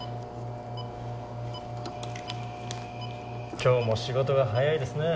今日も仕事が早いですねえ